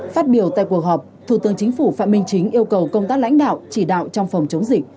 phát biểu tại cuộc họp thủ tướng chính phủ phạm minh chính yêu cầu công tác lãnh đạo chỉ đạo trong phòng chống dịch